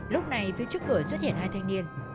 lúc này phía trước cửa xuất hiện hai thanh niên